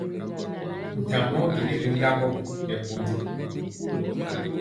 Twɛŋ mɔ byeli ri lambɔ nɛ kondi.